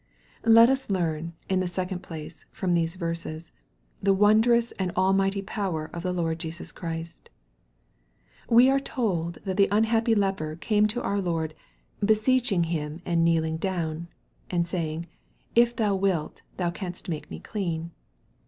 Let us learn, in the second place, from these verses, the wondrous and almighty power of the Lord Jesus Christ. We are told that the unhappy leper came to our Lord, " beseeching Him, and kneeling down," and saying, " If thou wilt, thou canst make me clean."